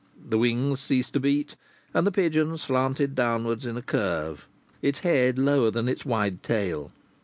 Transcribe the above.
The wings ceased to beat and the pigeon slanted downwards in a curve, its head lower than its wide tail.